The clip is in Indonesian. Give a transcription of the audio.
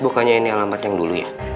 bukannya ini alamat yang dulu ya